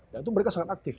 itu mereka sangat aktif